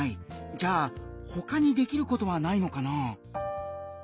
じゃあ他にできることはないのかな？